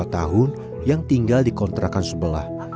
tiga puluh empat tahun yang tinggal di kontrakan sebelah